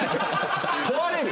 問われる？